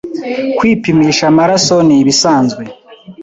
Kwipimisha amaraso nibisanzwe.